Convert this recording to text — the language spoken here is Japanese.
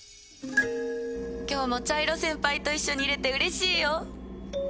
今日も茶色先輩と一緒にいれてうれしいよ。